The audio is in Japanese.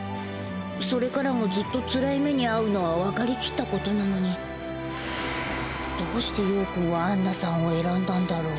それからもずっとつらい目に遭うのはわかりきったことなのにどうして葉くんはアンナさんを選んだんだろう。